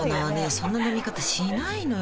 そんな飲み方しないのよ